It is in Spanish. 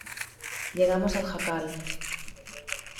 llegamos al jacal.